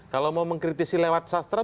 kalau mau mengkritisi lewat sastra